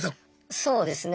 そうですね。